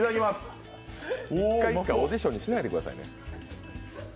一回一回、オーディションにしないでください。